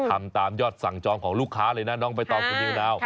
ทำตามยอดสั่งจองของลูกค้าเลยนะน้องใบตองคุณนิวนาว